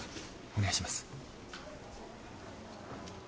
お願いします。